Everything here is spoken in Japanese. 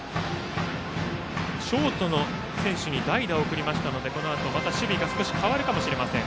ショートの選手に代打を送りましたのでこのあとまた守備が少し変わるかもしれません。